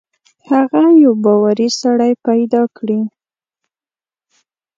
هغه یو باوري سړی پیدا کړي.